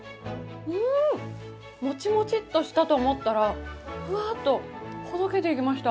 もちもちっとしたと思ったらふわっとほどけていきました。